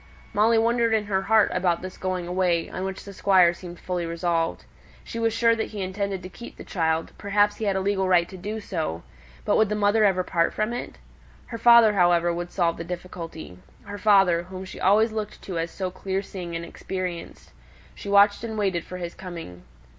Molly wondered in her heart about this going away, on which the Squire seemed fully resolved. She was sure that he intended to keep the child; perhaps he had a legal right to do so; but would the mother ever part from it? Her father, however, would solve the difficulty, her father, whom she always looked to as so clear seeing and experienced. She watched and waited for his coming.